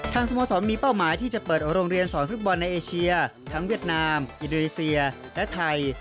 สโมสรมีเป้าหมายที่จะเปิดโรงเรียนสอนฟุตบอลในเอเชียทั้งเวียดนามอินโดนีเซียและไทย